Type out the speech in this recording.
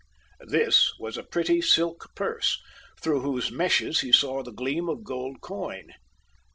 "This" was a pretty silk purse, through whose meshes he saw the gleam of gold coin.